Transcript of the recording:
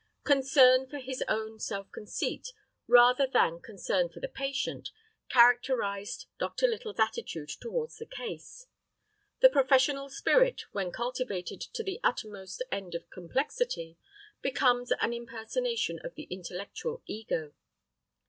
Concern for his own self conceit rather than concern for the patient, characterized Dr. Little's attitude towards the case. The professional spirit when cultivated to the uttermost end of complexity, becomes an impersonation of the intellectual ego.